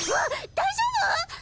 大丈夫？